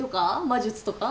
魔術とか？